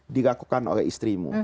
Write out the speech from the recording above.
dilakukan oleh istrimu